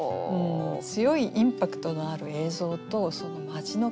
強いインパクトのある映像と町の気分